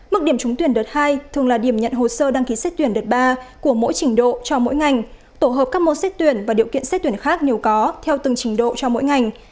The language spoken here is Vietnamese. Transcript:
mức điểm trúng tuyển đợt hai thường là điểm nhận hồ sơ đăng ký xét tuyển đợt ba của mỗi trình độ cho mỗi ngành tổ hợp các môn xét tuyển và điều kiện xét tuyển khác nếu có theo từng trình độ cho mỗi ngành